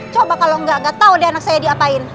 coba kalau nggak tahu deh anak saya diapain